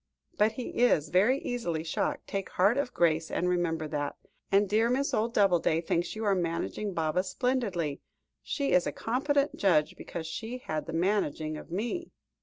"But he is very easily shocked; take heart of grace and remember that. And dear old Miss Doubleday thinks you are managing Baba splendidly. She is a competent judge because she had the managing of me!"